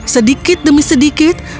sedikit demi sedikit